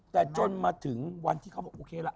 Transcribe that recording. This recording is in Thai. แต่จนมาถึงวันที่เขาบอกโอเคละ